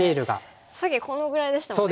さっきこのぐらいでしたもんね黒。